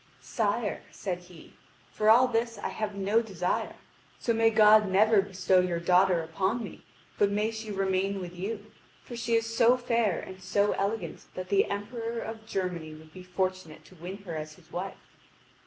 "Sire," said he, "for all this I have no desire. So may God never bestow your daughter upon me, but may she remain with you; for she is so fair and so elegant that the Emperor of Germany would be fortunate to win her as his wife."